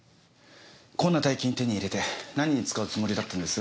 こんな大金手に入れて何に使うつもりだったんです？